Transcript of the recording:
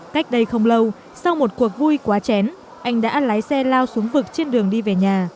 cách đây không lâu sau một cuộc vui quá chén anh đã lái xe lao xuống vực trên đường đi về nhà